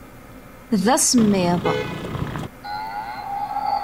D asemmiḍ.